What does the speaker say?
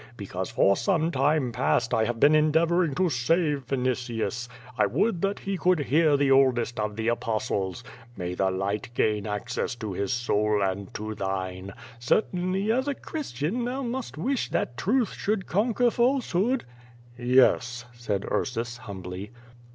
Because for some time past 1 have been endeavoring to save Vinitius. I would that he could hear the oldest of the Apostles, ilay the light gain 190 QUO VADI8. access to his soul and to thine. Certainly as a Christian thou must wish that truth should conquer falsehood/^ "Yes/" said Ursus, humbly.